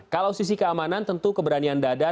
kalau sisi keamanan tentu keberanian dada